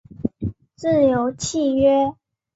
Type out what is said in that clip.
自由契约。